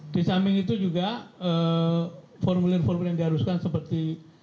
di samping itu juga formulir formulir yang diharuskan seperti